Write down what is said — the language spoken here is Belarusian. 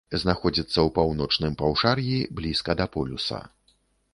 Знаходзіцца ў паўночным паўшар'і, блізка да полюса.